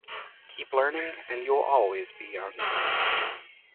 Keep learning and you'll always be young.